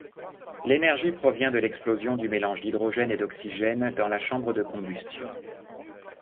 L’énergie provient de l’explosion du mélange d’hydrogène et d’oxygène dans la chambre de combustion.